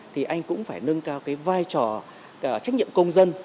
thì anh cũng phải nâng cao cái vai trò trách nhiệm công dân